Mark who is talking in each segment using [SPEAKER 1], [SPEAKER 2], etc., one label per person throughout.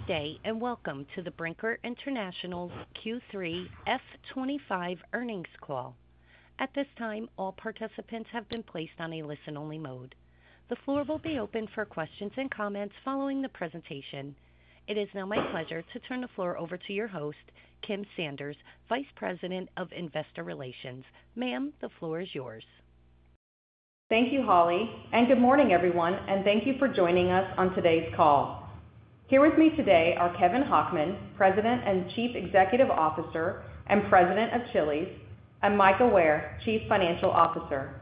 [SPEAKER 1] Good day and welcome to the Brinker International's Q3 F25 Earnings Call. At this time, all participants have been placed on a listen-only mode. The floor will be open for questions and comments following the presentation. It is now my pleasure to turn the floor over to your host, Kim Sanders, Vice President of Investor Relations. Ma'am, the floor is yours.
[SPEAKER 2] Thank you, Holly, and good morning, everyone, and thank you for joining us on today's call. Here with me today are Kevin Hochman, President and Chief Executive Officer and President of Chili's, and Mika Ware, Chief Financial Officer.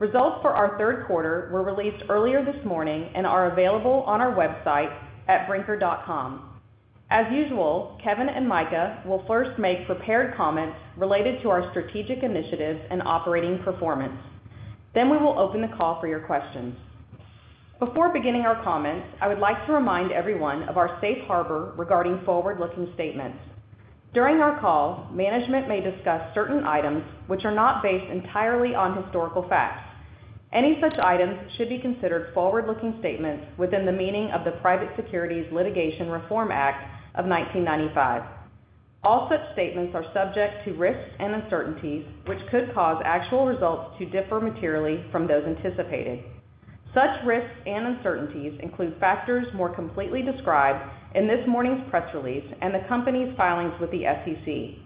[SPEAKER 2] Results for our third quarter were released earlier this morning and are available on our website at brinker.com. As usual, Kevin and Mika will first make prepared comments related to our strategic initiatives and operating performance. We will open the call for your questions. Before beginning our comments, I would like to remind everyone of our safe harbor regarding forward-looking statements. During our call, management may discuss certain items which are not based entirely on historical facts. Any such items should be considered forward-looking statements within the meaning of the Private Securities Litigation Reform Act of 1995. All such statements are subject to risks and uncertainties which could cause actual results to differ materially from those anticipated. Such risks and uncertainties include factors more completely described in this morning's press release and the company's filings with the SEC.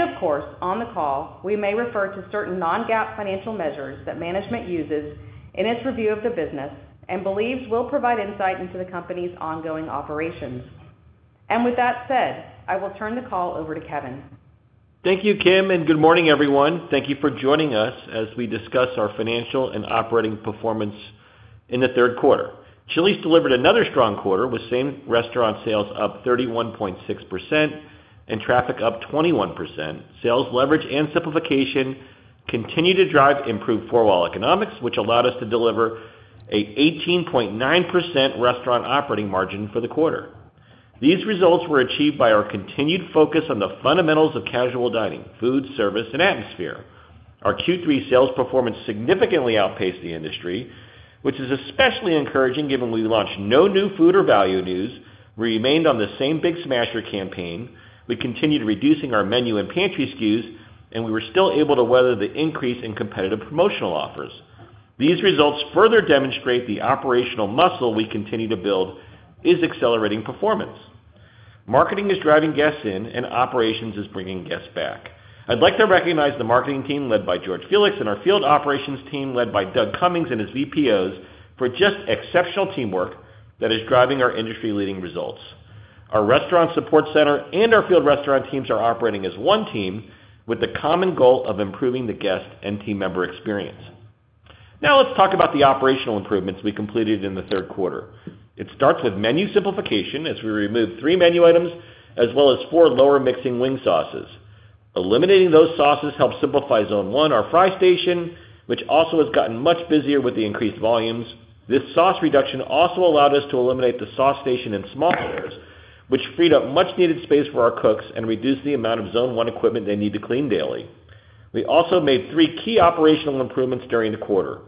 [SPEAKER 2] Of course, on the call, we may refer to certain non-GAAP financial measures that management uses in its review of the business and believes will provide insight into the company's ongoing operations. With that said, I will turn the call over to Kevin.
[SPEAKER 3] Thank you, Kim, and good morning, everyone. Thank you for joining us as we discuss our financial and operating performance in the third quarter. Chili's delivered another strong quarter with same-restaurant sales up 31.6% and traffic up 21%. Sales, leverage, and simplification continue to drive improved four-wall economics, which allowed us to deliver an 18.9% restaurant operating margin for the quarter. These results were achieved by our continued focus on the fundamentals of casual dining, food, service, and atmosphere. Our Q3 sales performance significantly outpaced the industry, which is especially encouraging given we launched no new food or value news. We remained on the same Big Smasher campaign. We continued reducing our menu and pantry SKUs, and we were still able to weather the increase in competitive promotional offers. These results further demonstrate the operational muscle we continue to build is accelerating performance. Marketing is driving guests in, and operations is bringing guests back. I'd like to recognize the marketing team led by George Felix and our field operations team led by Doug Comings and his VPOs for just exceptional teamwork that is driving our industry-leading results. Our restaurant support center and our field restaurant teams are operating as one team with the common goal of improving the guest and team member experience. Now let's talk about the operational improvements we completed in the third quarter. It starts with menu simplification as we removed three menu items as well as four lower mixing wing sauces. Eliminating those sauces helped simplify Zone One, our fry station, which also has gotten much busier with the increased volumes. This sauce reduction also allowed us to eliminate the sauce station in small areas, which freed up much-needed space for our cooks and reduced the amount of Zone One equipment they need to clean daily. We also made three key operational improvements during the quarter.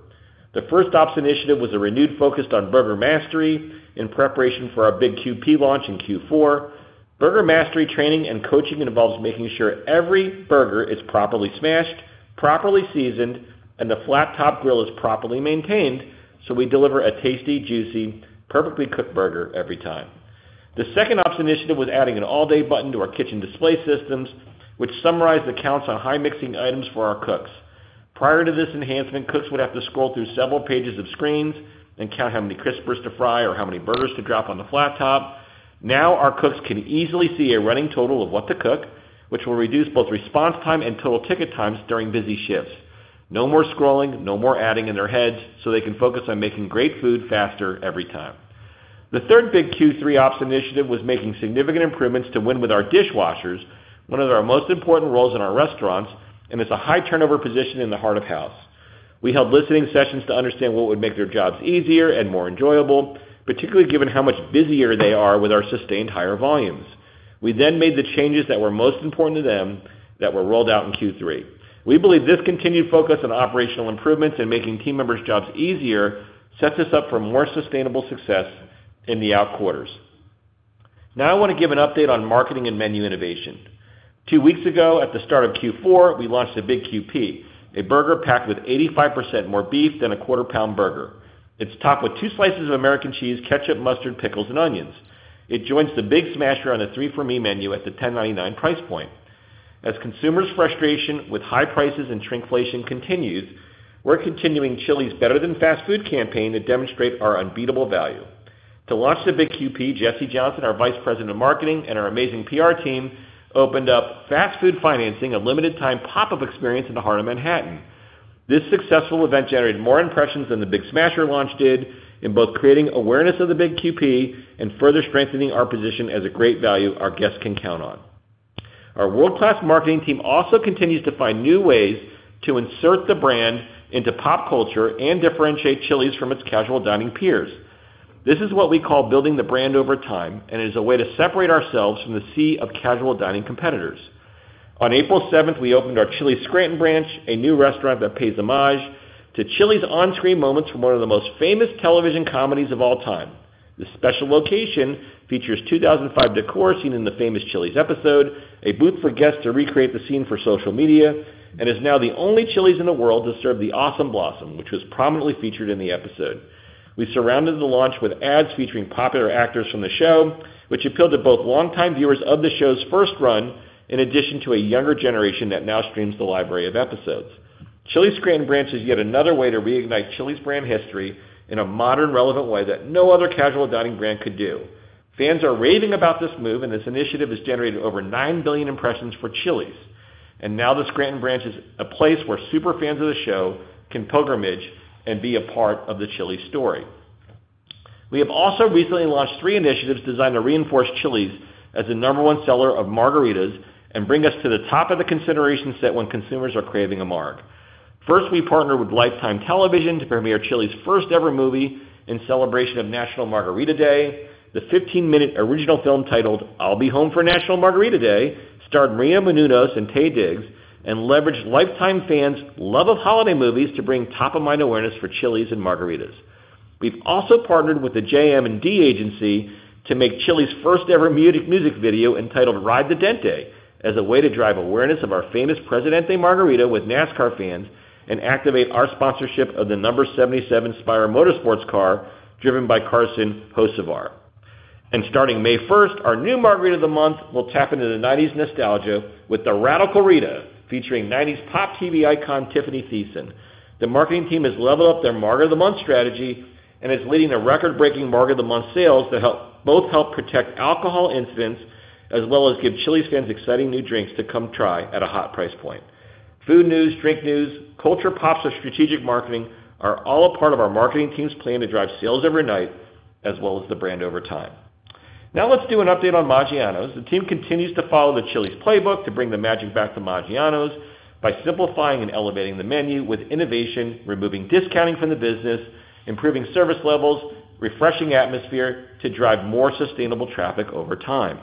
[SPEAKER 3] The first ops initiative was a renewed focus on burger mastery in preparation for our Big QP launch in Q4. Burger mastery training and coaching involves making sure every burger is properly smashed, properly seasoned, and the flat-top grill is properly maintained so we deliver a tasty, juicy, perfectly cooked burger every time. The second ops initiative was adding an all-day button to our kitchen display systems, which summarized the counts on high mix items for our cooks. Prior to this enhancement, cooks would have to scroll through several pages of screens and count how many Crispers to fry or how many burgers to drop on the flat top. Now our cooks can easily see a running total of what to cook, which will reduce both response time and total ticket times during busy shifts. No more scrolling, no more adding in their heads so they can focus on making great food faster every time. The third big Q3 ops initiative was making significant improvements to win with our dishwashers, one of our most important roles in our restaurants, and it's a high turnover position in the heart of house. We held listening sessions to understand what would make their jobs easier and more enjoyable, particularly given how much busier they are with our sustained higher volumes. We then made the changes that were most important to them that were rolled out in Q3. We believe this continued focus on operational improvements and making team members' jobs easier sets us up for more sustainable success in the out quarters. Now I want to give an update on marketing and menu innovation. Two weeks ago at the start of Q4, we launched a Big QP, a burger packed with 85% more beef than a quarter-pound burger. It's topped with two slices of American cheese, ketchup, mustard, pickles, and onions. It joins the 3 For Me menu at the $10.99 price point. As consumers' frustration with high prices and shrinkflation continues, we're continuing Chili's better-than-fast-food campaign to demonstrate our unbeatable value. To launch the Big QP, Jesse Johnson, our Vice President of Marketing, and our amazing PR team opened up Fast Food Financing, a limited-time pop-up experience in the heart of Manhattan. This successful event generated more impressions than the Big Smasher launch did in both creating awareness of the Big QP and further strengthening our position as a great value our guests can count on. Our world-class marketing team also continues to find new ways to insert the brand into pop culture and differentiate Chili's from its casual dining peers. This is what we call building the brand over time, and it is a way to separate ourselves from the sea of casual dining competitors. On April 7, we opened our Chili's Scranton branch, a new restaurant that pays homage to Chili's on-screen moments from one of the most famous television comedies of all time. The special location features 2005 decor seen in the famous Chili's episode, a booth for guests to recreate the scene for social media, and is now the only Chili's in the world to serve the Awesome Blossom, which was prominently featured in the episode. We surrounded the launch with ads featuring popular actors from the show, which appealed to both longtime viewers of the show's first run in addition to a younger generation that now streams the library of episodes. Chili's Scranton branch is yet another way to reignite Chili's brand history in a modern, relevant way that no other casual dining brand could do. Fans are raving about this move, and this initiative has generated over 9 billion impressions for Chili's. The Scranton branch is a place where super fans of the show can pilgrimage and be a part of the Chili's story. We have also recently launched three initiatives designed to reinforce Chili's as the number one seller of margaritas and bring us to the top of the consideration set when consumers are craving a marg. First, we partnered with Lifetime Television to premiere Chili's first-ever movie in celebration of National Margarita Day. The 15-minute original film titled I'll Be Home for National Margarita Day starred Maria Menounos and Taye Diggs, and leveraged Lifetime fans' love of holiday movies to bring top-of-mind awareness for Chili's and margaritas. We've also partnered with the JM&D Agency to make Chili's first-ever music video entitled Ride the Dente as a way to drive awareness of our famous Presidente Margarita with NASCAR fans and activate our sponsorship of the number 77 Spire Motorsports car driven by Carson Hocevar. Starting May 1, our new Margarita of the Month will tap into the '90s nostalgia with the Radical Rita, featuring '90s pop TV icon Tiffani Thiessen. The marketing team has leveled up their Margarita of the Month strategy and is leading the record-breaking Margarita of the Month sales to both help protect alcohol incidents as well as give Chili's fans exciting new drinks to come try at a hot price point. Food news, drink news, culture pops, or strategic marketing are all a part of our marketing team's plan to drive sales every night as well as the brand over time. Now let's do an update on Maggiano's. The team continues to follow the Chili's playbook to bring the magic back to Maggiano's by simplifying and elevating the menu with innovation, removing discounting from the business, improving service levels, refreshing atmosphere to drive more sustainable traffic over time.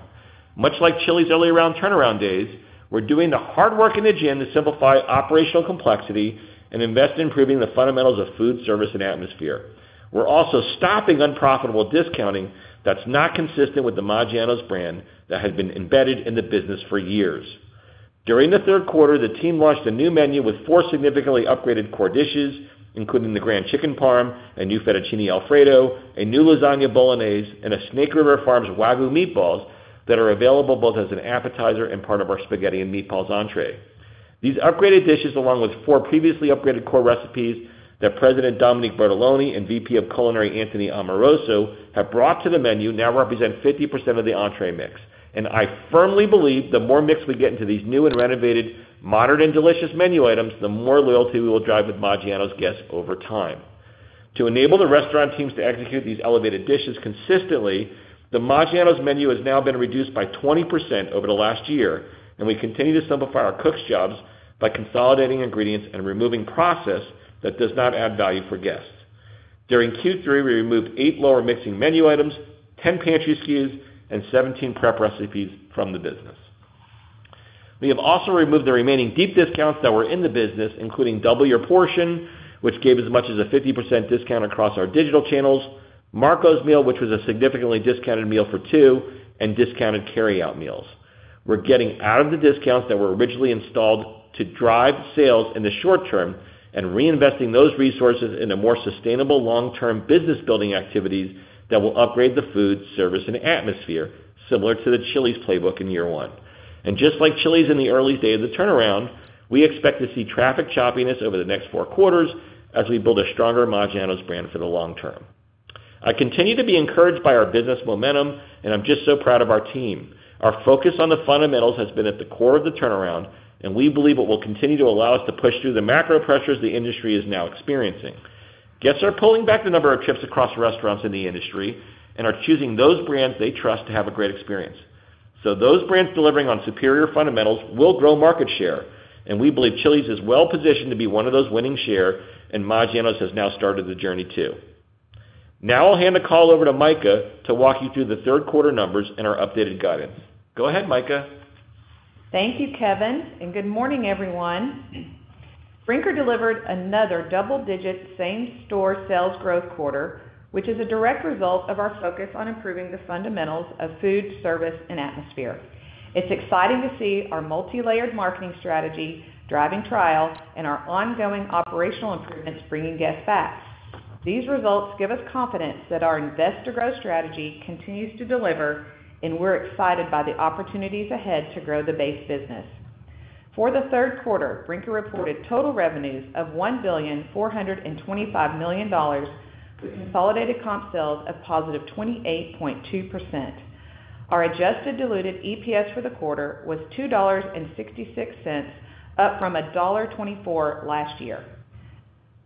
[SPEAKER 3] Much like Chili's early-round turnaround days, we're doing the hard work in the gym to simplify operational complexity and invest in improving the fundamentals of food, service, and atmosphere. We're also stopping unprofitable discounting that's not consistent with the Maggiano's brand that has been embedded in the business for years. During the third quarter, the team launched a new menu with four significantly upgraded core dishes, including the Grand Chicken Parm, a new Fettuccine Alfredo, a new Lasagna Bolognese, and Snake River Farms Wagyu Meatballs that are available both as an appetizer and part of our spaghetti and meatballs entrée. These upgraded dishes, along with four previously upgraded core recipes that President Dominique Bertolone and VP of Culinary Anthony Amoroso have brought to the menu, now represent 50% of the entrée mix. I firmly believe the more mix we get into these new and renovated, modern, and delicious menu items, the more loyalty we will drive with Maggiano's guests over time. To enable the restaurant teams to execute these elevated dishes consistently, the Maggiano's menu has now been reduced by 20% over the last year, and we continue to simplify our cooks' jobs by consolidating ingredients and removing process that does not add value for guests. During Q3, we removed eight lower mixing menu items, 10 pantry SKUs, and 17 prep recipes from the business. We have also removed the remaining deep discounts that were in the business, including Double Your Portion, which gave as much as a 50% discount across our digital channels, Marco's Meal, which was a significantly discounted meal for two, and discounted carry-out meals. We're getting out of the discounts that were originally installed to drive sales in the short term and reinvesting those resources in more sustainable long-term business-building activities that will upgrade the food, service, and atmosphere similar to the Chili's playbook in year one. Just like Chili's in the early day of the turnaround, we expect to see traffic choppiness over the next four quarters as we build a stronger Maggiano's brand for the long term. I continue to be encouraged by our business momentum, and I'm just so proud of our team. Our focus on the fundamentals has been at the core of the turnaround, and we believe it will continue to allow us to push through the macro pressures the industry is now experiencing. Guests are pulling back the number of trips across restaurants in the industry and are choosing those brands they trust to have a great experience. Those brands delivering on superior fundamentals will grow market share, and we believe Chili's is well-positioned to be one of those winning share, and Maggiano's has now started the journey too. Now I'll hand the call over to Mika to walk you through the third quarter numbers and our updated guidance. Go ahead, Mika.
[SPEAKER 4] Thank you, Kevin, and good morning, everyone. Brinker delivered another double-digit same-store sales growth quarter, which is a direct result of our focus on improving the fundamentals of food, service, and atmosphere. It's exciting to see our multi-layered marketing strategy driving trial and our ongoing operational improvements bringing guests back. These results give us confidence that our investor growth strategy continues to deliver, and we're excited by the opportunities ahead to grow the base business. For the third quarter, Brinker reported total revenues of $1,425 million with consolidated comp sales of positive 28.2%. Our adjusted diluted EPS for the quarter was $2.66, up from $1.24 last year.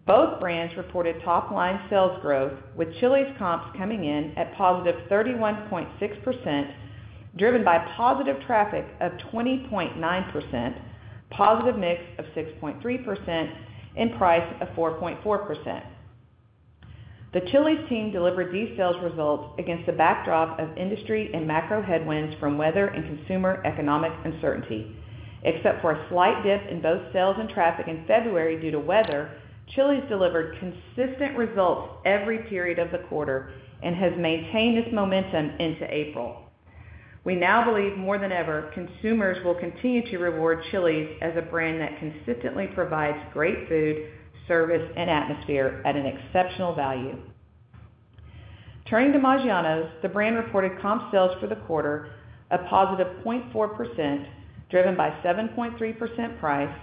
[SPEAKER 4] Both brands reported top-line sales growth with Chili's comps coming in at positive 31.6%, driven by positive traffic of 20.9%, positive mix of 6.3%, and price of 4.4%. The Chili's team delivered these sales results against the backdrop of industry and macro headwinds from weather and consumer economic uncertainty. Except for a slight dip in both sales and traffic in February due to weather, Chili's delivered consistent results every period of the quarter and has maintained this momentum into April. We now believe more than ever consumers will continue to reward Chili's as a brand that consistently provides great food, service, and atmosphere at an exceptional value. Turning to Maggiano's, the brand reported comp sales for the quarter of positive 0.4%, driven by 7.3% price,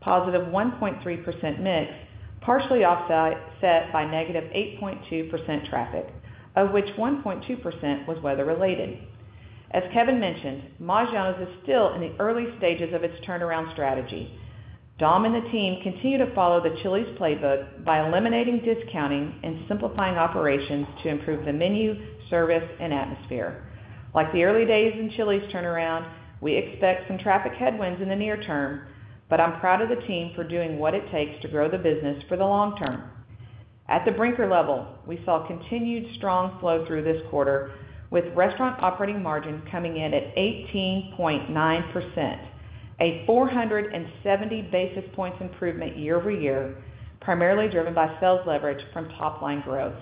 [SPEAKER 4] positive 1.3% mix, partially offset by negative 8.2% traffic, of which 1.2% was weather-related. As Kevin mentioned, Maggiano's is still in the early stages of its turnaround strategy. Dom and the team continue to follow the Chili's playbook by eliminating discounting and simplifying operations to improve the menu, service, and atmosphere. Like the early days in Chili's turnaround, we expect some traffic headwinds in the near term, but I'm proud of the team for doing what it takes to grow the business for the long term. At the Brinker level, we saw continued strong flow through this quarter with restaurant operating margin coming in at 18.9%, a 470 basis points improvement year-over-year, primarily driven by sales leverage from top-line growth.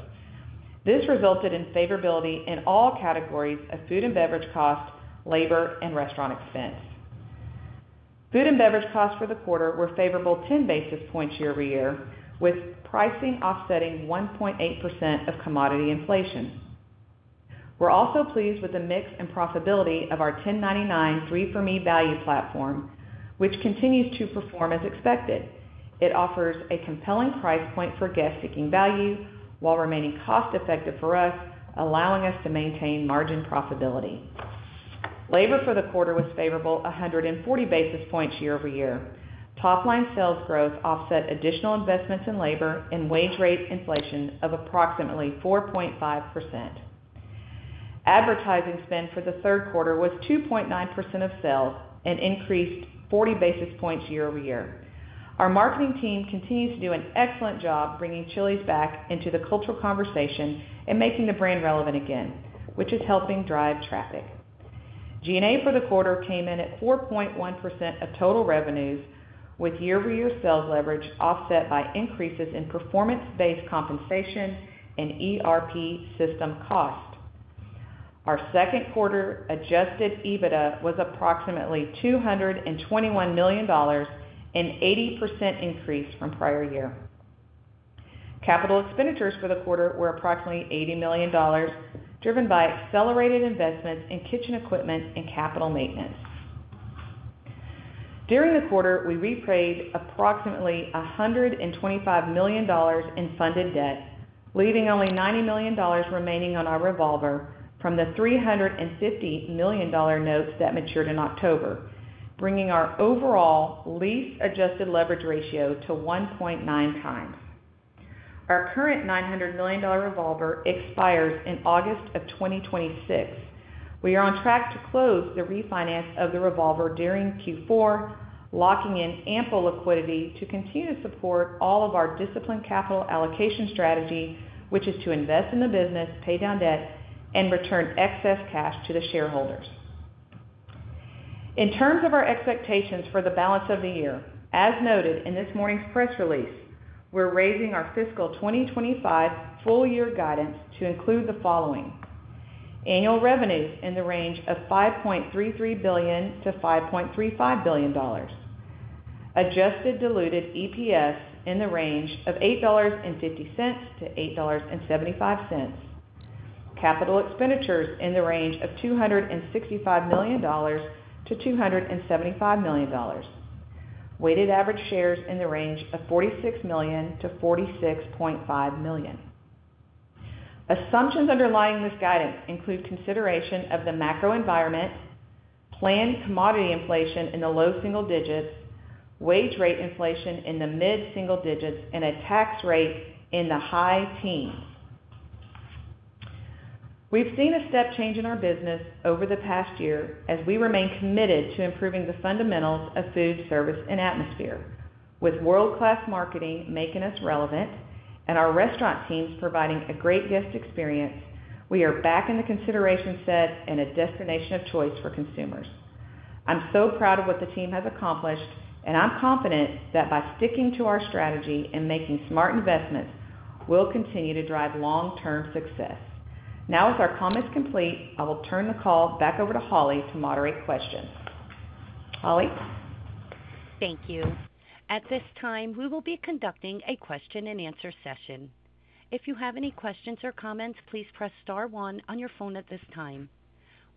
[SPEAKER 4] This resulted in favorability in all categories of food and beverage cost, labor, and restaurant expense. Food and beverage costs for the quarter were favorable 10 basis points year-over-year, with pricing offsetting 1.8% of commodity inflation. We're also pleased with the mix and profitability of 3 For Me value platform, which continues to perform as expected. It offers a compelling price point for guests seeking value while remaining cost-effective for us, allowing us to maintain margin profitability. Labor for the quarter was favorable 140 basis points year-over-year. Top-line sales growth offset additional investments in labor and wage rate inflation of approximately 4.5%. Advertising spend for the third quarter was 2.9% of sales and increased 40 basis points year-over-year. Our marketing team continues to do an excellent job bringing Chili's back into the cultural conversation and making the brand relevant again, which is helping drive traffic. G&A for the quarter came in at 4.1% of total revenues, with year-over-year sales leverage offset by increases in performance-based compensation and ERP system cost. Our second quarter adjusted EBITDA was approximately $221 million and 80% increase from prior year. Capital expenditures for the quarter were approximately $80 million, driven by accelerated investments in kitchen equipment and capital maintenance. During the quarter, we repriced approximately $125 million in funded debt, leaving only $90 million remaining on our revolver from the $350 million notes that matured in October, bringing our overall lease adjusted leverage ratio to 1.9x. Our current $900 million revolver expires in August of 2026. We are on track to close the refinance of the revolver during Q4, locking in ample liquidity to continue to support all of our disciplined capital allocation strategy, which is to invest in the business, pay down debt, and return excess cash to the shareholders. In terms of our expectations for the balance of the year, as noted in this morning's press release, we're raising our fiscal 2025 full-year guidance to include the following: annual revenues in the range of $5.33 billion-$5.35 billion, adjusted diluted EPS in the range of $8.50-$8.75, capital expenditures in the range of $265 million-$275 million, weighted average shares in the range of $46 million-$46.5 million. Assumptions underlying this guidance include consideration of the macro environment, planned commodity inflation in the low single digits, wage rate inflation in the mid-single digits, and a tax rate in the high teens. We've seen a step change in our business over the past year as we remain committed to improving the fundamentals of food, service, and atmosphere. With world-class marketing making us relevant and our restaurant teams providing a great guest experience, we are back in the consideration set and a destination of choice for consumers. I'm so proud of what the team has accomplished, and I'm confident that by sticking to our strategy and making smart investments, we'll continue to drive long-term success. Now, as our comments complete, I will turn the call back over to Holly to moderate questions. Holly.
[SPEAKER 1] Thank you. At this time, we will be conducting a question-and-answer session. If you have any questions or comments, please press star one on your phone at this time.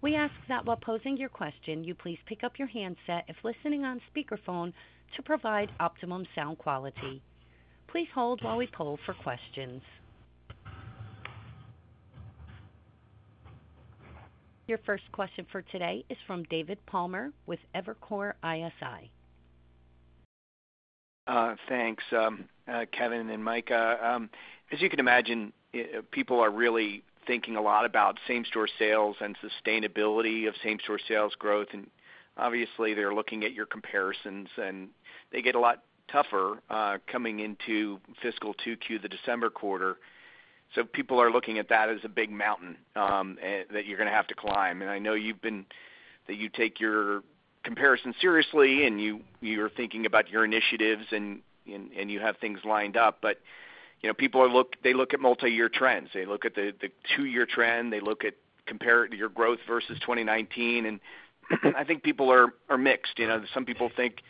[SPEAKER 1] We ask that while posing your question, you please pick up your handset if listening on speakerphone to provide optimum sound quality. Please hold while we poll for questions. Your first question for today is from David Palmer with Evercore ISI.
[SPEAKER 5] Thanks, Kevin and Mika. As you can imagine, people are really thinking a lot about same-store sales and sustainability of same-store sales growth. Obviously, they're looking at your comparisons, and they get a lot tougher coming into fiscal 2Q, the December quarter. People are looking at that as a big mountain that you're going to have to climb. I know that you take your comparisons seriously, and you are thinking about your initiatives, and you have things lined up. People look at multi-year trends. They look at the two-year trend. They look at your growth versus 2019. I think people are mixed. Some people think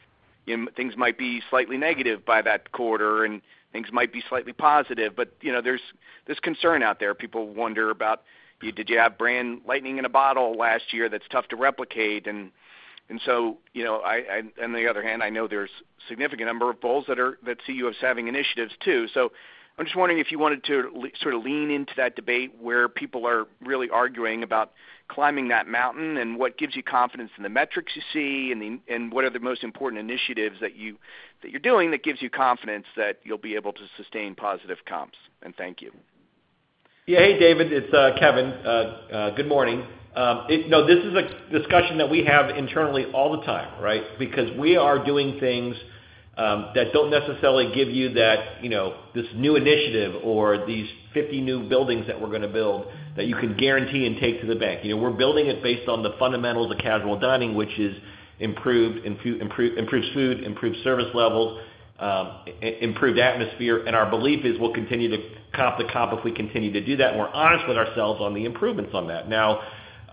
[SPEAKER 5] things might be slightly negative by that quarter, and things might be slightly positive. There's this concern out there. People wonder about, "Did you have brand lightning in a bottle last year that's tough to replicate?" On the other hand, I know there's a significant number of bulls that see you as having initiatives too. I'm just wondering if you wanted to sort of lean into that debate where people are really arguing about climbing that mountain and what gives you confidence in the metrics you see and what are the most important initiatives that you're doing that gives you confidence that you'll be able to sustain positive comps. Thank you.
[SPEAKER 3] Yeah. Hey, David. It's Kevin. Good morning. No, this is a discussion that we have internally all the time, right, because we are doing things that don't necessarily give you this new initiative or these 50 new buildings that we're going to build that you can guarantee and take to the bank. We're building it based on the fundamentals of casual dining, which improves food, improves service levels, improves atmosphere. Our belief is we'll continue to comp the comp if we continue to do that, and we're honest with ourselves on the improvements on that.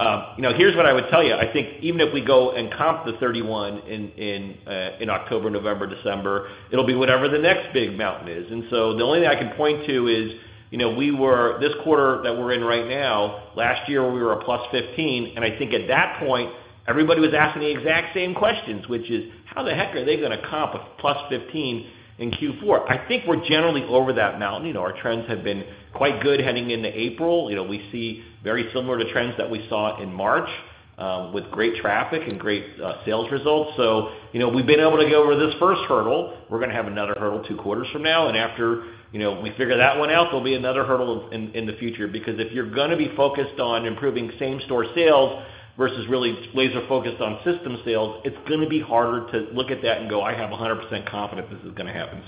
[SPEAKER 3] Now, here's what I would tell you. I think even if we go and comp the 31 in October, November, December, it'll be whatever the next big mountain is. The only thing I can point to is this quarter that we're in right now, last year, we were a plus 15. I think at that point, everybody was asking the exact same questions, which is, "How the heck are they going to comp a plus 15 in Q4?" I think we're generally over that mountain. Our trends have been quite good heading into April. We see very similar to trends that we saw in March with great traffic and great sales results. We have been able to get over this first hurdle. We're going to have another hurdle two quarters from now. After we figure that one out, there will be another hurdle in the future because if you're going to be focused on improving same-store sales versus really laser-focused on system sales, it's going to be harder to look at that and go, "I have 100% confidence this is going to happen."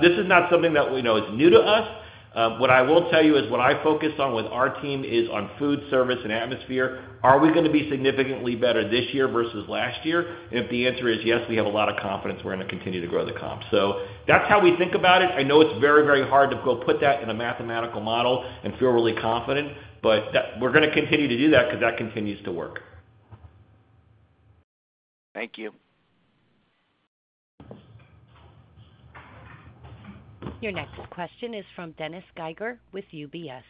[SPEAKER 3] This is not something that is new to us. What I will tell you is what I focus on with our team is on food, service, and atmosphere. Are we going to be significantly better this year versus last year? If the answer is yes, we have a lot of confidence we're going to continue to grow the comp. That's how we think about it. I know it's very, very hard to go put that in a mathematical model and feel really confident, but we're going to continue to do that because that continues to work.
[SPEAKER 5] Thank you.
[SPEAKER 1] Your next question is from Dennis Geiger with UBS.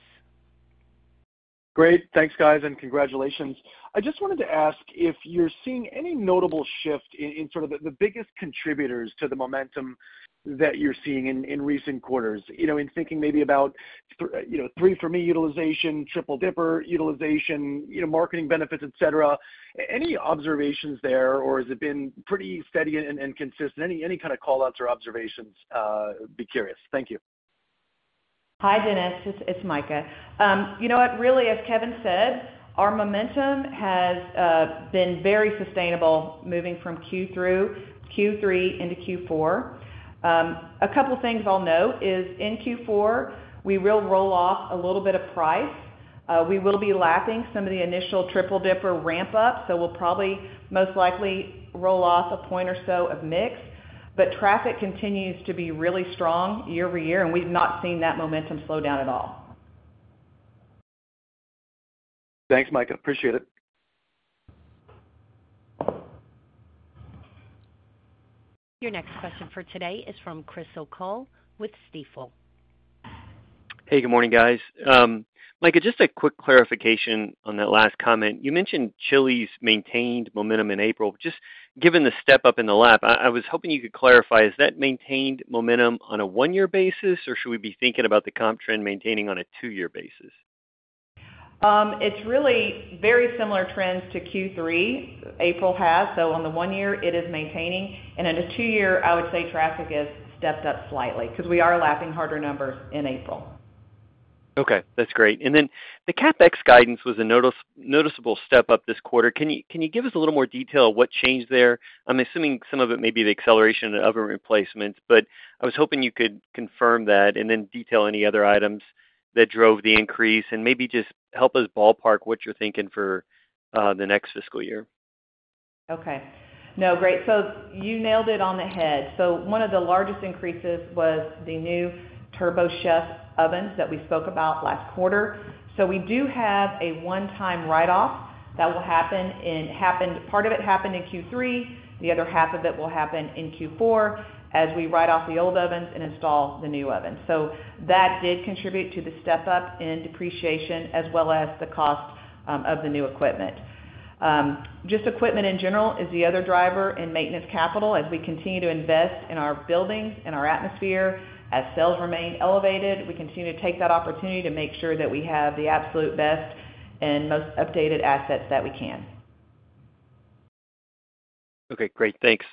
[SPEAKER 6] Great. Thanks, guys, and congratulations. I just wanted to ask if you're seeing any notable shift in sort of the biggest contributors to the momentum that you're seeing in recent quarters in thinking 3 For Me utilization, triple Dipper utilization, marketing benefits, etc. Any observations there, or has it been pretty steady and consistent? Any kind of callouts or observations? Be curious. Thank you.
[SPEAKER 4] Hi, Dennis. It's Mika. You know what? Really, as Kevin said, our momentum has been very sustainable moving from Q3 into Q4. A couple of things I'll note is in Q4, we will roll off a little bit of price. We will be lapping some of the initial Triple Dipper ramp-up, so we'll probably most likely roll off a point or so of mix. Traffic continues to be really strong year-over-year, and we've not seen that momentum slow down at all.
[SPEAKER 6] Thanks, Mika. Appreciate it.
[SPEAKER 1] Your next question for today is from Chris O'Cull with Stifel.
[SPEAKER 7] Hey, good morning, guys. Mika, just a quick clarification on that last comment. You mentioned Chili's maintained momentum in April. Just given the step up in the lap, I was hoping you could clarify, is that maintained momentum on a one-year basis, or should we be thinking about the comp trend maintaining on a two-year basis?
[SPEAKER 4] It's really very similar trends to Q3 April had. On the one year, it is maintaining. In a two-year, I would say traffic has stepped up slightly because we are lapping harder numbers in April.
[SPEAKER 7] Okay. That's great. The CapEx guidance was a noticeable step up this quarter. Can you give us a little more detail of what changed there? I'm assuming some of it may be the acceleration of other replacements, but I was hoping you could confirm that and detail any other items that drove the increase and maybe just help us ballpark what you're thinking for the next fiscal year.
[SPEAKER 4] Okay. No, great. You nailed it on the head. One of the largest increases was the new TurboChef ovens that we spoke about last quarter. We do have a one-time write-off that will happen. Part of it happened in Q3. The other half of it will happen in Q4 as we write off the old ovens and install the new ovens. That did contribute to the step up in depreciation as well as the cost of the new equipment. Just equipment in general is the other driver in maintenance capital as we continue to invest in our buildings and our atmosphere. As sales remain elevated, we continue to take that opportunity to make sure that we have the absolute best and most updated assets that we can.
[SPEAKER 7] Okay. Great. Thanks.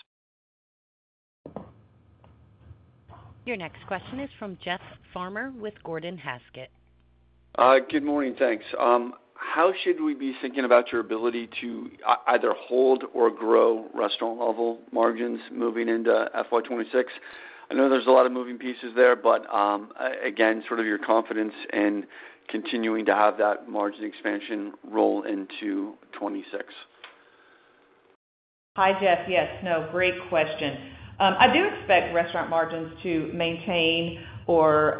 [SPEAKER 1] Your next question is from Jeff Farmer with Gordon Haskett.
[SPEAKER 8] Good morning. Thanks. How should we be thinking about your ability to either hold or grow restaurant-level margins moving into fiscal year 2026? I know there's a lot of moving pieces there, but again, sort of your confidence in continuing to have that margin expansion roll into 2026?
[SPEAKER 4] Hi, Jeff. Yes. No, great question. I do expect restaurant margins to maintain or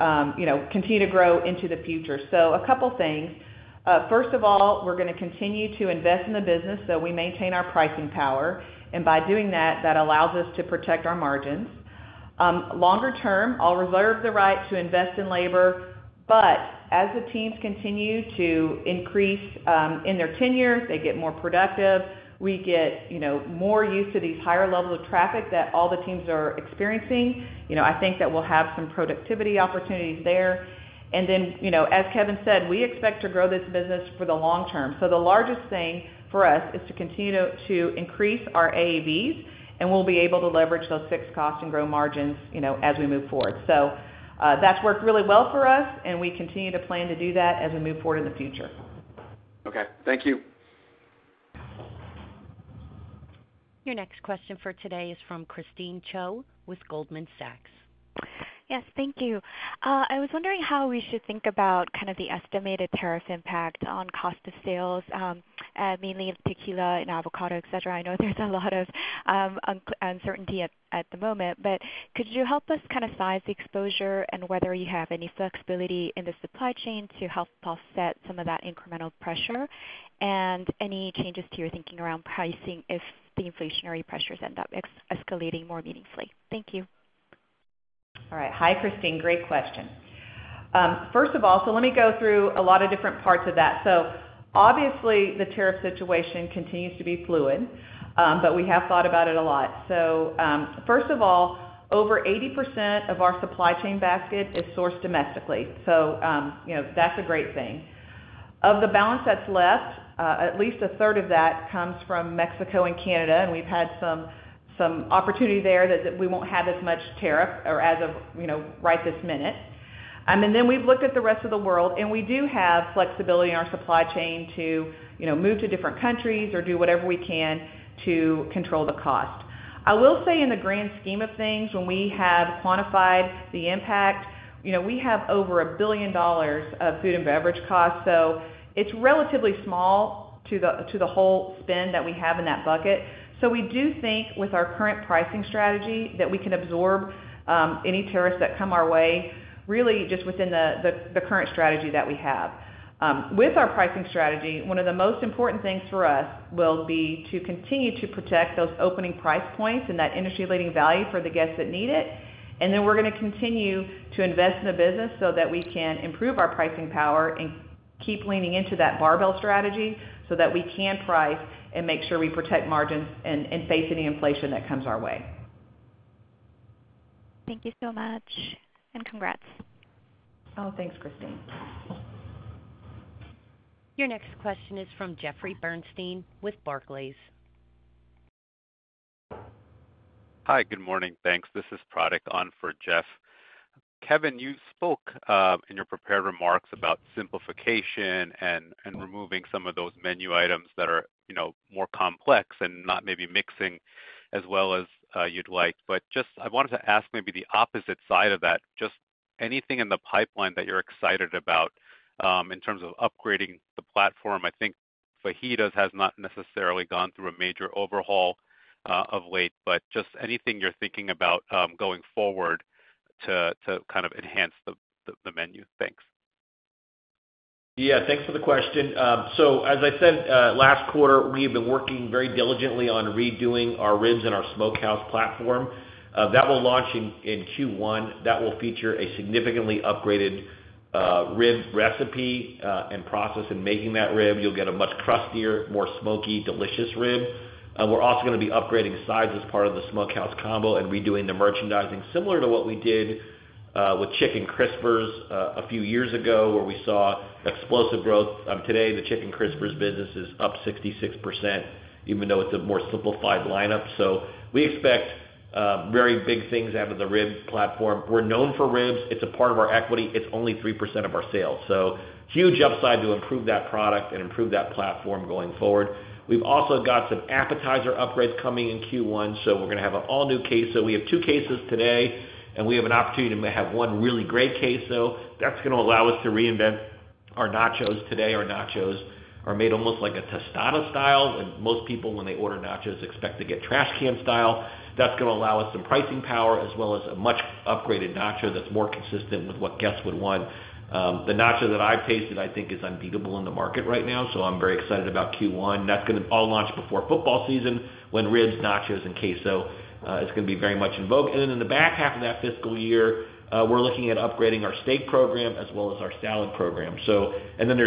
[SPEAKER 4] continue to grow into the future. A couple of things. First of all, we're going to continue to invest in the business so we maintain our pricing power. By doing that, that allows us to protect our margins. Longer term, I'll reserve the right to invest in labor. As the teams continue to increase in their tenure, they get more productive. We get more used to these higher levels of traffic that all the teams are experiencing. I think that we'll have some productivity opportunities there. As Kevin said, we expect to grow this business for the long term. The largest thing for us is to continue to increase our AUVs, and we'll be able to leverage those fixed costs and grow margins as we move forward. That's worked really well for us, and we continue to plan to do that as we move forward in the future.
[SPEAKER 8] Okay. Thank you.
[SPEAKER 1] Your next question for today is from Christine Cho with Goldman Sachs.
[SPEAKER 9] Yes. Thank you. I was wondering how we should think about kind of the estimated tariff impact on cost of sales, mainly in tequila and avocado, etc. I know there's a lot of uncertainty at the moment, but could you help us kind of size the exposure and whether you have any flexibility in the supply chain to help offset some of that incremental pressure and any changes to your thinking around pricing if the inflationary pressures end up escalating more meaningfully? Thank you.
[SPEAKER 4] All right. Hi, Christine. Great question. First of all, let me go through a lot of different parts of that. Obviously, the tariff situation continues to be fluid, but we have thought about it a lot. First of all, over 80% of our supply chain basket is sourced domestically. That is a great thing. Of the balance that is left, at least a third of that comes from Mexico and Canada, and we have had some opportunity there that we will not have as much tariff or as of right this minute. We have looked at the rest of the world, and we do have flexibility in our supply chain to move to different countries or do whatever we can to control the cost. I will say in the grand scheme of things, when we have quantified the impact, we have over $1 billion of food and beverage costs. It is relatively small to the whole spend that we have in that bucket. We do think with our current pricing strategy that we can absorb any tariffs that come our way, really just within the current strategy that we have. With our pricing strategy, one of the most important things for us will be to continue to protect those opening price points and that industry-leading value for the guests that need it. We are going to continue to invest in the business so that we can improve our pricing power and keep leaning into that barbell strategy so that we can price and make sure we protect margins and face any inflation that comes our way.
[SPEAKER 9] Thank you so much. Congrats.
[SPEAKER 4] Oh, thanks, Christine.
[SPEAKER 1] Your next question is from Jeffrey Bernstein with Barclays.
[SPEAKER 10] Hi, good morning. Thanks. This is Pradeep on for Jeff. Kevin, you spoke in your prepared remarks about simplification and removing some of those menu items that are more complex and not maybe mixing as well as you'd like. I wanted to ask maybe the opposite side of that, just anything in the pipeline that you're excited about in terms of upgrading the platform. I think Fajitas has not necessarily gone through a major overhaul of late, just anything you're thinking about going forward to kind of enhance the menu. Thanks.
[SPEAKER 3] Yeah. Thanks for the question. As I said last quarter, we have been working very diligently on redoing our ribs and our smokehouse platform. That will launch in Q1. That will feature a significantly upgraded rib recipe and process in making that rib. You'll get a much crustier, more smoky, delicious rib. We're also going to be upgrading sides as part of the smokehouse combo and redoing the merchandising similar to what we did with Chicken Crispers a few years ago where we saw explosive growth. Today, the Chicken Crispers business is up 66%, even though it's a more simplified lineup. We expect very big things out of the rib platform. We're known for ribs. It's a part of our equity. It's only 3% of our sales. Huge upside to improve that product and improve that platform going forward. We've also got some appetizer upgrades coming in Q1, so we're going to have an all-new queso. We have two quesos today, and we have an opportunity to have one really great queso. That's going to allow us to reinvent our nachos today. Our nachos are made almost like a tostada style, and most people, when they order nachos, expect to get trash can style. That's going to allow us some pricing power as well as a much upgraded nacho that's more consistent with what guests would want. The nacho that I've tasted, I think, is unbeatable in the market right now, so I'm very excited about Q1. That's going to all launch before football season when ribs, nachos, and queso is going to be very much in vogue. In the back half of that fiscal year, we're looking at upgrading our steak program as well as our salad program. There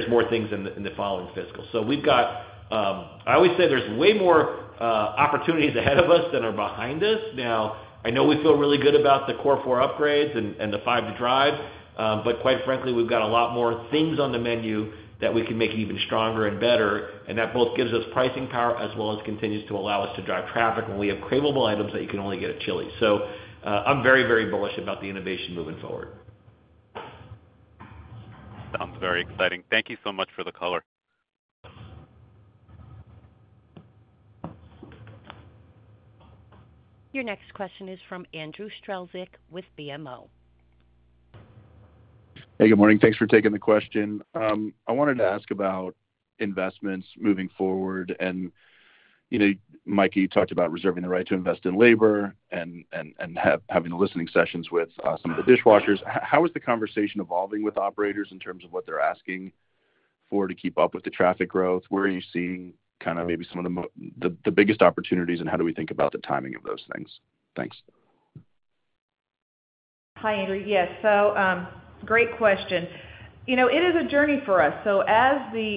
[SPEAKER 3] are more things in the following fiscal. I always say there's way more opportunities ahead of us than are behind us. I know we feel really good about the core four upgrades and the five to drive, but quite frankly, we've got a lot more things on the menu that we can make even stronger and better. That both gives us pricing power as well as continues to allow us to drive traffic when we have craveable items that you can only get at Chili's. I'm very, very bullish about the innovation moving forward.
[SPEAKER 10] Sounds very exciting. Thank you so much for the color.
[SPEAKER 1] Your next question is from Andrew Strelzik with BMO.
[SPEAKER 11] Hey, good morning. Thanks for taking the question. I wanted to ask about investments moving forward. Mika, you talked about reserving the right to invest in labor and having the listening sessions with some of the dishwashers. How is the conversation evolving with operators in terms of what they're asking for to keep up with the traffic growth? Where are you seeing kind of maybe some of the biggest opportunities, and how do we think about the timing of those things? Thanks.
[SPEAKER 4] Hi, Andrew. Yes. Great question. It is a journey for us.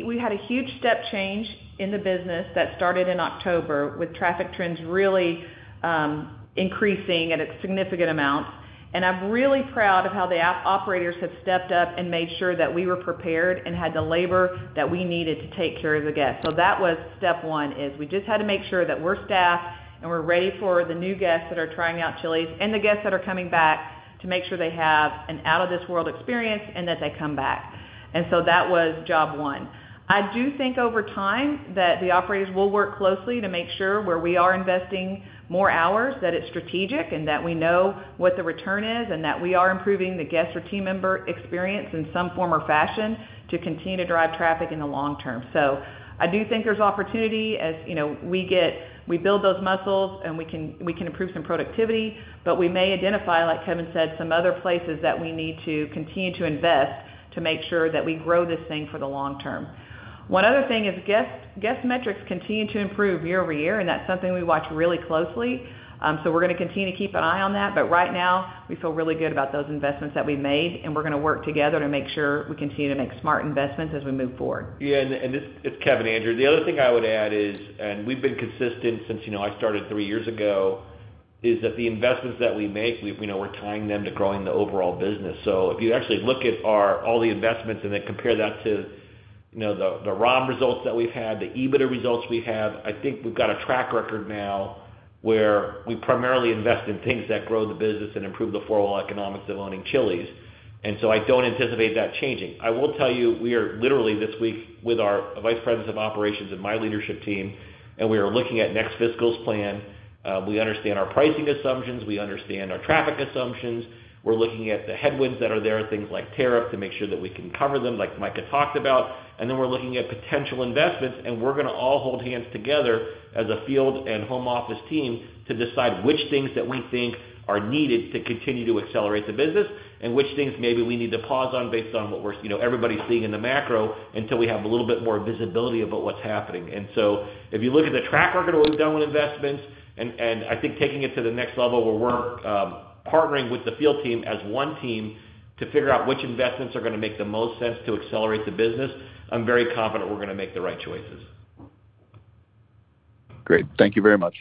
[SPEAKER 4] We had a huge step change in the business that started in October with traffic trends really increasing at a significant amount. I'm really proud of how the operators have stepped up and made sure that we were prepared and had the labor that we needed to take care of the guests. That was step one, we just had to make sure that we're staffed and we're ready for the new guests that are trying out Chili's and the guests that are coming back to make sure they have an out-of-this-world experience and that they come back. That was job one. I do think over time that the operators will work closely to make sure where we are investing more hours, that it's strategic and that we know what the return is and that we are improving the guest or team member experience in some form or fashion to continue to drive traffic in the long term. I do think there's opportunity as we build those muscles and we can improve some productivity, but we may identify, like Kevin said, some other places that we need to continue to invest to make sure that we grow this thing for the long term. One other thing is guest metrics continue to improve year-over-year, and that's something we watch really closely. We are going to continue to keep an eye on that. Right now, we feel really good about those investments that we've made, and we're going to work together to make sure we continue to make smart investments as we move forward.
[SPEAKER 3] Yeah. And it's Kevin, Andrew. The other thing I would add is, and we've been consistent since I started three years ago, is that the investments that we make, we're tying them to growing the overall business. If you actually look at all the investments and then compare that to the ROM results that we've had, the EBITDA results we have, I think we've got a track record now where we primarily invest in things that grow the business and improve the four-wall economics of owning Chili's. I don't anticipate that changing. I will tell you, we are literally this week with our vice presidents of operations and my leadership team, and we are looking at next fiscal's plan. We understand our pricing assumptions. We understand our traffic assumptions. We're looking at the headwinds that are there, things like tariff, to make sure that we can cover them, like Mika talked about. We are looking at potential investments, and we're going to all hold hands together as a field and home office team to decide which things that we think are needed to continue to accelerate the business and which things maybe we need to pause on based on what everybody's seeing in the macro until we have a little bit more visibility about what's happening. If you look at the track record that we've done with investments, and I think taking it to the next level where we're partnering with the field team as one team to figure out which investments are going to make the most sense to accelerate the business, I'm very confident we're going to make the right choices.
[SPEAKER 11] Great. Thank you very much.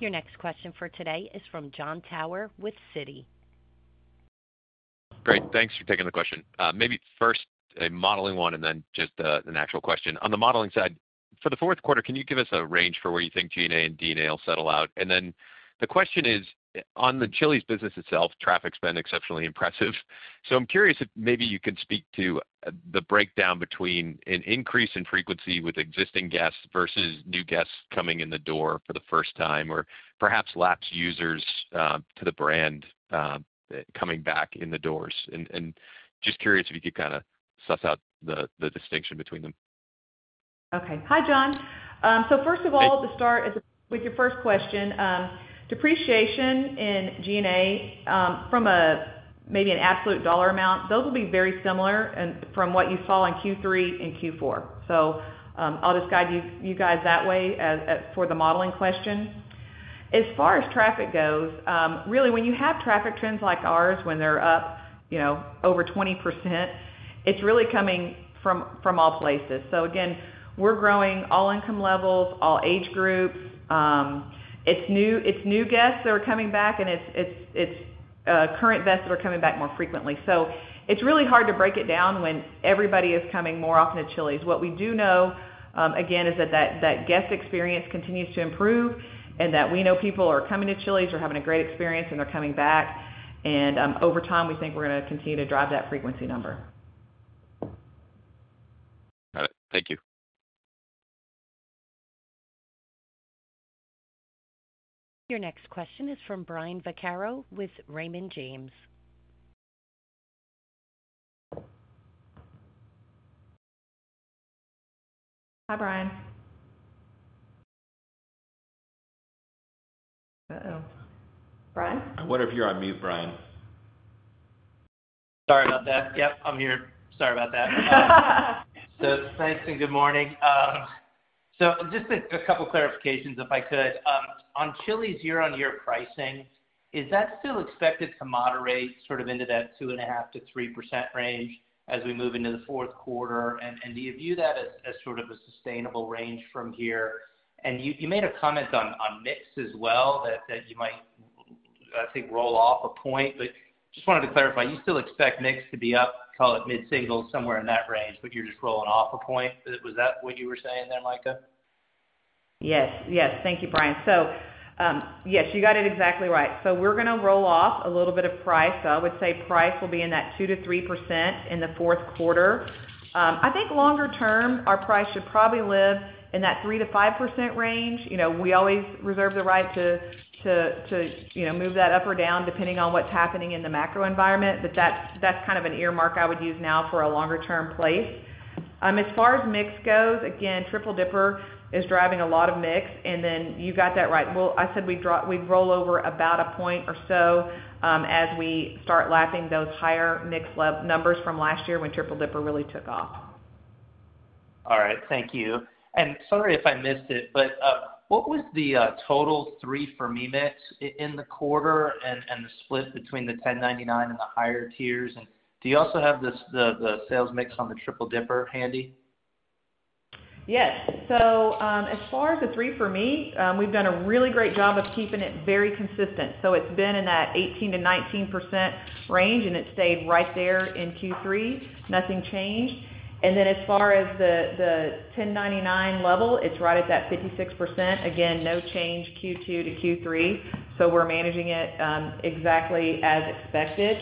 [SPEAKER 1] Your next question for today is from Jon Tower with Citi.
[SPEAKER 12] Great. Thanks for taking the question. Maybe first a modeling one and then just an actual question. On the modeling side, for the fourth quarter, can you give us a range for where you think G&A and D&A will settle out? The question is, on the Chili's business itself, traffic's been exceptionally impressive. I'm curious if maybe you can speak to the breakdown between an increase in frequency with existing guests versus new guests coming in the door for the first time or perhaps lapse users to the brand coming back in the doors. Just curious if you could kind of suss out the distinction between them.
[SPEAKER 4] Okay. Hi, John. First of all, to start with your first question, depreciation in G&A from maybe an absolute dollar amount, those will be very similar from what you saw in Q3 and Q4. I'll just guide you guys that way for the modeling question. As far as traffic goes, really, when you have traffic trends like ours, when they're up over 20%, it's really coming from all places. Again, we're growing all income levels, all age groups. It's new guests that are coming back, and it's current guests that are coming back more frequently. It's really hard to break it down when everybody is coming more often to Chili's. What we do know, again, is that that guest experience continues to improve and that we know people are coming to Chili's or having a great experience, and they're coming back. Over time, we think we're going to continue to drive that frequency number.
[SPEAKER 12] Got it. Thank you.
[SPEAKER 1] Your next question is from Brian Vaccaro with Raymond James.
[SPEAKER 4] Hi, Brian. Oh. Brian?
[SPEAKER 3] I wonder if you're on mute, Brian.
[SPEAKER 13] Sorry about that. Yep, I'm here. Sorry about that. Thanks and good morning. Just a couple of clarifications, if I could. On Chili's year-on-year pricing, is that still expected to moderate sort of into that 2.5-3% range as we move into the fourth quarter? Do you view that as sort of a sustainable range from here? You made a comment on mix as well, that you might, I think, roll off a point. Just wanted to clarify, you still expect mix to be up, call it mid-single, somewhere in that range, but you're just rolling off a point. Was that what you were saying there, Mika? Yes. Yes. Thank you, Brian. Yes, you got it exactly right. We're going to roll off a little bit of price. I would say price will be in that 2-3% in the fourth quarter. I think longer term, our price should probably live in that 3-5% range. We always reserve the right to move that up or down depending on what's happening in the macro environment. That's kind of an earmark I would use now for a longer-term place. As far as mix goes, again, Triple Dipper is driving a lot of mix. You got that right. I said we'd roll over about a point or so as we start lapping those higher mix numbers from last year when Triple Dipper really took off.
[SPEAKER 4] All right. Thank you. Sorry if I missed it, but 3 For Me mix in the quarter and the split between the $10.99 and the higher tiers? Do you also have the sales mix on the Triple Dipper handy? Yes. As far 3 For Me, we've done a really great job of keeping it very consistent. It has been in that 18-19% range, and it stayed right there in Q3. Nothing changed. As far as the $10.99 level, it is right at that 56%. Again, no change Q2 to Q3. We are managing it exactly as expected.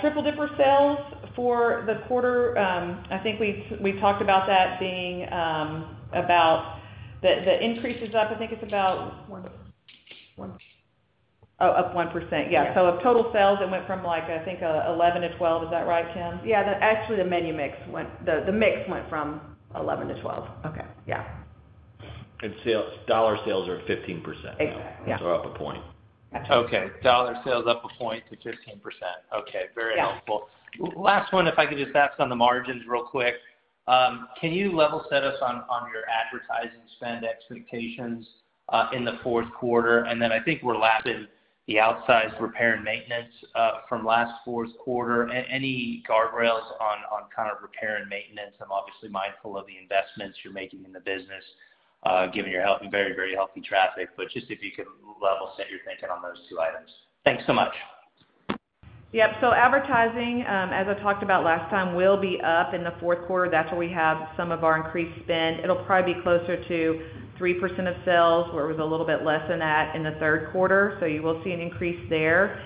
[SPEAKER 4] Triple Dipper sales for the quarter, I think we talked about that being about the increases up, I think it is about. Oh, up 1%. Oh, up 1%. Yeah. Of total sales, it went from, I think, 11 to 12. Is that right, Kim?
[SPEAKER 2] Yeah. Actually, the menu mix went from 11 to 12.
[SPEAKER 4] Okay. Yeah.
[SPEAKER 3] Dollar sales are at 15% now.
[SPEAKER 4] Exactly. Yeah.
[SPEAKER 3] Up a point.
[SPEAKER 4] Gotcha.
[SPEAKER 13] Okay. Dollar sales up a point to 15%. Okay. Very helpful. Last one, if I could just ask on the margins real quick. Can you level set us on your advertising spend expectations in the fourth quarter? I think we're lapping the outsized repair and maintenance from last fourth quarter. Any guardrails on kind of repair and maintenance? I'm obviously mindful of the investments you're making in the business, given you're having very, very healthy traffic. Just if you could level set your thinking on those two items. Thanks so much.
[SPEAKER 4] Yep. Advertising, as I talked about last time, will be up in the fourth quarter. That's where we have some of our increased spend. It'll probably be closer to 3% of sales, where it was a little bit less than that in the third quarter. You will see an increase there.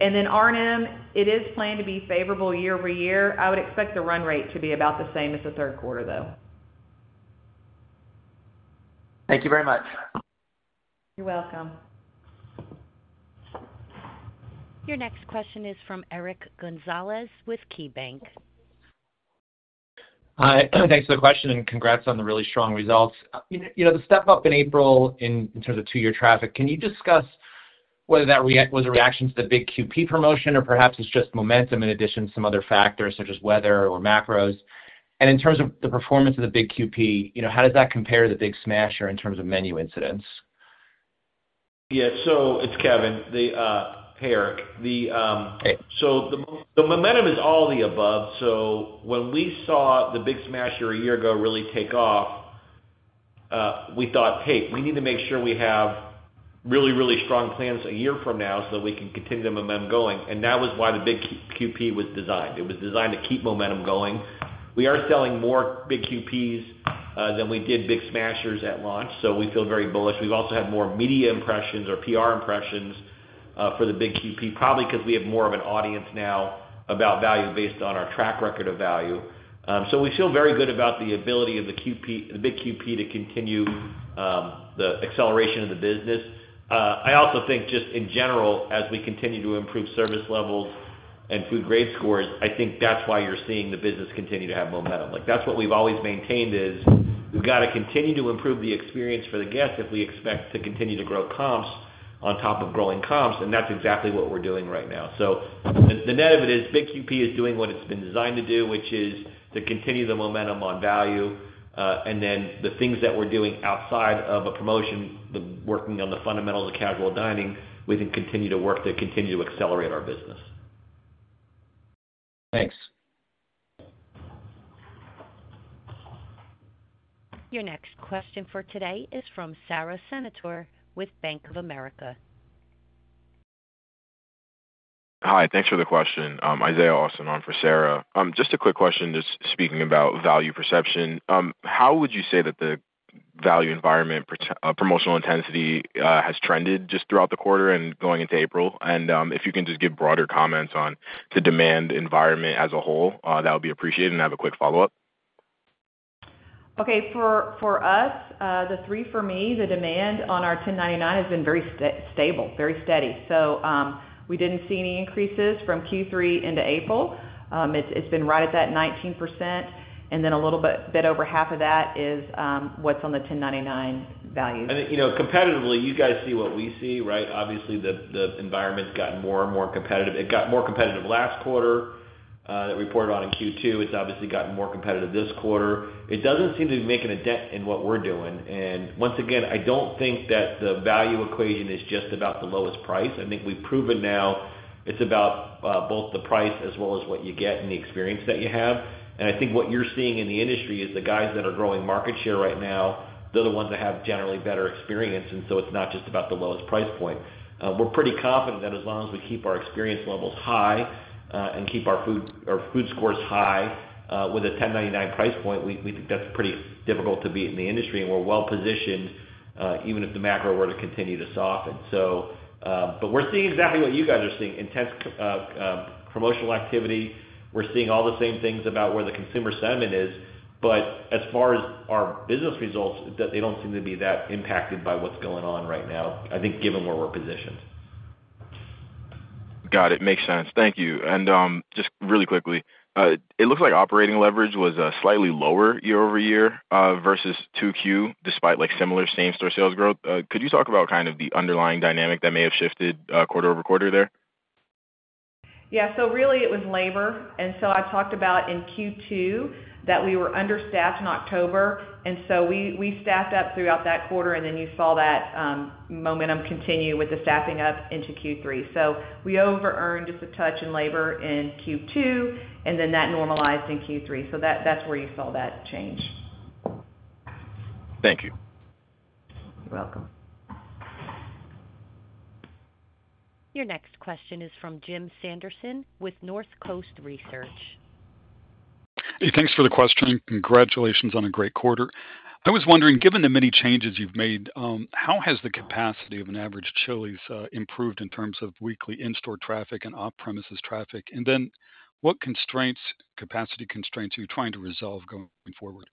[SPEAKER 4] R&M, it is planned to be favorable year-over-year. I would expect the run rate to be about the same as the third quarter, though.
[SPEAKER 13] Thank you very much.
[SPEAKER 4] You're welcome.
[SPEAKER 1] Your next question is from Eric Gonzalez with KeyBanc.
[SPEAKER 14] Hi. Thanks for the question, and congrats on the really strong results. The step-up in April in terms of two-year traffic, can you discuss whether that was a reaction to the Big QP promotion, or perhaps it's just momentum in addition to some other factors such as weather or macros? In terms of the performance of the Big QP, how does that compare to the Big Smasher in terms of menu incidents?
[SPEAKER 3] Yeah. So it's Kevin, hey Eric. The momentum is all the above. When we saw the Big Smasher a year ago really take off, we thought, "Hey, we need to make sure we have really, really strong plans a year from now so that we can continue to move them going." That was why the Big QP was designed. It was designed to keep momentum going. We are selling more Big QPs than we did Big Smashers at launch, so we feel very bullish. We've also had more media impressions or PR impressions for the Big QP, probably because we have more of an audience now about value based on our track record of value. We feel very good about the ability of the Big QP to continue the acceleration of the business. I also think just in general, as we continue to improve service levels and food grade scores, I think that's why you're seeing the business continue to have momentum. That's what we've always maintained, is we've got to continue to improve the experience for the guests if we expect to continue to grow comps on top of growing comps. That's exactly what we're doing right now. The net of it is Big QP is doing what it's been designed to do, which is to continue the momentum on value. The things that we're doing outside of a promotion, working on the fundamentals of casual dining, we can continue to work to continue to accelerate our business.
[SPEAKER 14] Thanks.
[SPEAKER 1] Your next question for today is from Sara Senatore with Bank of America.
[SPEAKER 5] Hi. Thanks for the question. Isaiah Austin on for Sarah. Just a quick question, just speaking about value perception. How would you say that the value environment, promotional intensity has trended just throughout the quarter and going into April? If you can just give broader comments on the demand environment as a whole, that would be appreciated, and I have a quick follow-up.
[SPEAKER 4] 3 For Me, the demand on our $10.99 has been very stable, very steady. We did not see any increases from Q3 into April. It has been right at that 19%, and then a little bit over half of that is what is on the $10.99 value.
[SPEAKER 3] Competitively, you guys see what we see, right? Obviously, the environment's gotten more and more competitive. It got more competitive last quarter that we reported on in Q2. It's obviously gotten more competitive this quarter. It doesn't seem to be making a dent in what we're doing. Once again, I don't think that the value equation is just about the lowest price. I think we've proven now it's about both the price as well as what you get and the experience that you have. I think what you're seeing in the industry is the guys that are growing market share right now, they're the ones that have generally better experience. It's not just about the lowest price point. We're pretty confident that as long as we keep our experience levels high and keep our food scores high with a $10.99 price point, we think that's pretty difficult to beat in the industry. We're well-positioned even if the macro were to continue to soften. We're seeing exactly what you guys are seeing. Intense promotional activity. We're seeing all the same things about where the consumer sentiment is. As far as our business results, they don't seem to be that impacted by what's going on right now, I think, given where we're positioned.
[SPEAKER 15] Got it. Makes sense. Thank you. Just really quickly, it looks like operating leverage was slightly lower year-over-year versus 2Q, despite similar same-store sales growth. Could you talk about kind of the underlying dynamic that may have shifted quarter over quarter there?
[SPEAKER 4] Yeah. Really, it was labor. I talked about in Q2 that we were understaffed in October. We staffed up throughout that quarter, and you saw that momentum continue with the staffing up into Q3. We over-earned just a touch in labor in Q2, and then that normalized in Q3. That is where you saw that change.
[SPEAKER 15] Thank you.
[SPEAKER 4] You're welcome.
[SPEAKER 1] Your next question is from Jim Sanderson with Northcoast Research.
[SPEAKER 16] Hey, thanks for the question. Congratulations on a great quarter. I was wondering, given the many changes you've made, how has the capacity of an average Chili's improved in terms of weekly in-store traffic and off-premises traffic? What capacity constraints are you trying to resolve going forward?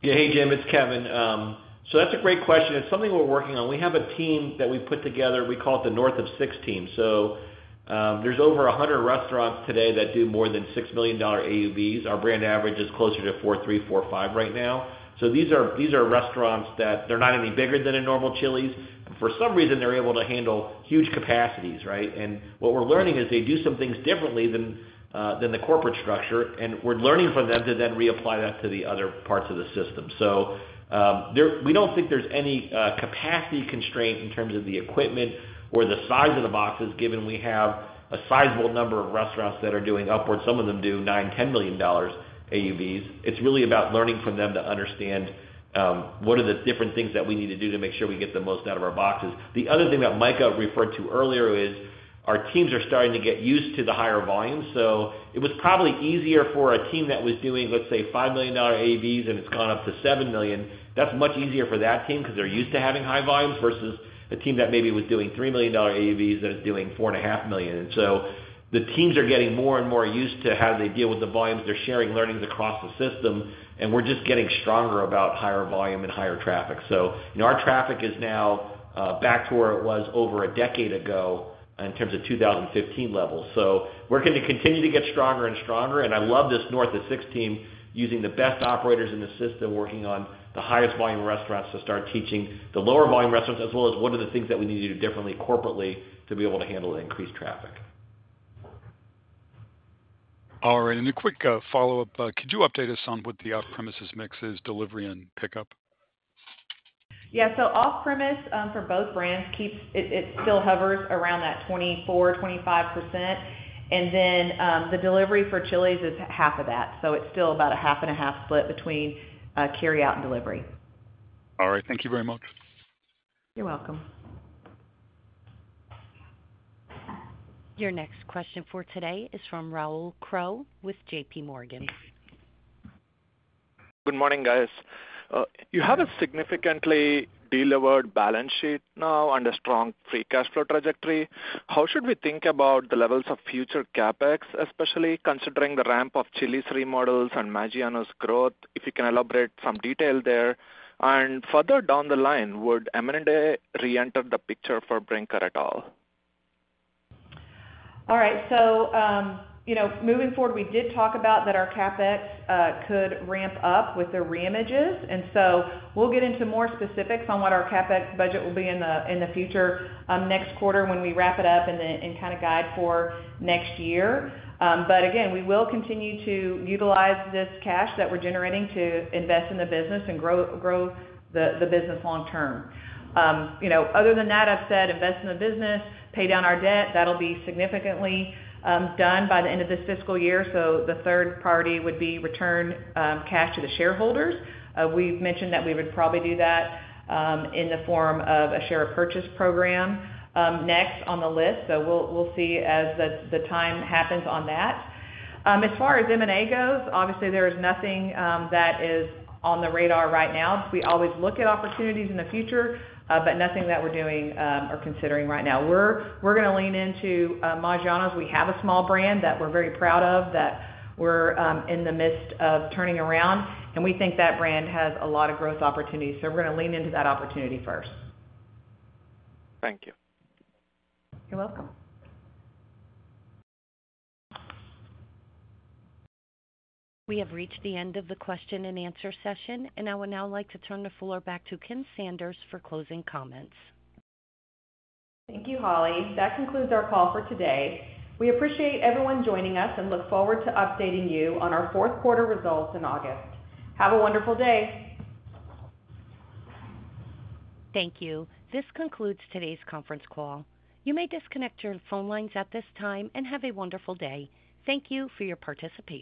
[SPEAKER 3] Yeah. Hey, Jim. It's Kevin. That's a great question. It's something we're working on. We have a team that we put together. We call it the North of Six team. There are over 100 restaurants today that do more than $6 million AUVs. Our brand average is closer to $4.3 million, $4.5 million right now. These are restaurants that are not any bigger than a normal Chili's. For some reason, they're able to handle huge capacities, right? What we're learning is they do some things differently than the corporate structure. We're learning from them to then reapply that to the other parts of the system. We don't think there's any capacity constraint in terms of the equipment or the size of the boxes, given we have a sizable number of restaurants that are doing upwards. Some of them do $9 million-$10 million AUVs. It's really about learning from them to understand what are the different things that we need to do to make sure we get the most out of our boxes. The other thing that Mika referred to earlier is our teams are starting to get used to the higher volumes. It was probably easier for a team that was doing, let's say, $5 million AUVs, and it's gone up to $7 million. That's much easier for that team because they're used to having high volumes versus a team that maybe was doing $3 million AUVs that is doing $4.5 million. The teams are getting more and more used to how they deal with the volumes. They're sharing learnings across the system. We're just getting stronger about higher volume and higher traffic. Our traffic is now back to where it was over a decade ago in terms of 2015 levels. We're going to continue to get stronger and stronger. I love this North of Six team using the best operators in the system, working on the highest volume restaurants to start teaching the lower volume restaurants, as well as what are the things that we need to do differently corporately to be able to handle the increased traffic.
[SPEAKER 16] All right. A quick follow-up. Could you update us on what the off-premises mix is, delivery and pickup?
[SPEAKER 4] Yeah. Off-premise for both brands, it still hovers around that 24-25%. Delivery for Chili's is half of that. It is still about a half and a half split between carryout and delivery.
[SPEAKER 16] All right. Thank you very much.
[SPEAKER 4] You're welcome.
[SPEAKER 1] Your next question for today is from Rahul Krotthapalli with JPMorgan.
[SPEAKER 17] Good morning, guys. You have a significantly de-levered balance sheet now and a strong free cash flow trajectory. How should we think about the levels of future CapEx, especially considering the ramp of Chili's remodels and Maggiano's growth? If you can elaborate some detail there. Further down the line, would M&A re-enter the picture for Brinker et al.?
[SPEAKER 4] All right. Moving forward, we did talk about that our CapEx could ramp up with the reimages. We will get into more specifics on what our CapEx budget will be in the future next quarter when we wrap it up and kind of guide for next year. Again, we will continue to utilize this cash that we're generating to invest in the business and grow the business long term. Other than that, I've said invest in the business, pay down our debt. That'll be significantly done by the end of this fiscal year. The third party would be return cash to the shareholders. We've mentioned that we would probably do that in the form of a share repurchase program next on the list. We'll see as the time happens on that. As far as M&A goes, obviously, there is nothing that is on the radar right now. We always look at opportunities in the future, but nothing that we're doing or considering right now. We are going to lean into Maggiano's. We have a small brand that we're very proud of that we're in the midst of turning around. We think that brand has a lot of growth opportunities. We are going to lean into that opportunity first.
[SPEAKER 17] Thank you.
[SPEAKER 4] You're welcome.
[SPEAKER 1] We have reached the end of the question and answer session, and I would now like to turn the floor back to Kim Sanders for closing comments.
[SPEAKER 2] Thank you, Holly. That concludes our call for today. We appreciate everyone joining us and look forward to updating you on our fourth quarter results in August. Have a wonderful day.
[SPEAKER 1] Thank you. This concludes today's conference call. You may disconnect your phone lines at this time and have a wonderful day. Thank you for your participation.